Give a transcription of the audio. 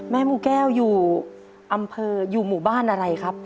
มูแก้วอยู่อำเภออยู่หมู่บ้านอะไรครับ